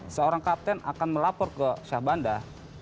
seorang kapten akan melapor ke siah bandar